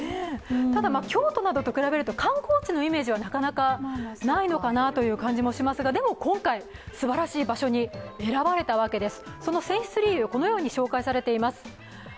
ただ京都などと比べると観光地のイメージはないのかなと思いますが、でも、今回、素晴らしい場所に選ばれたわけです。